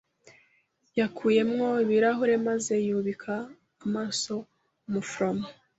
Yakuyemo ibirahuri maze yubika amaso umuforomo.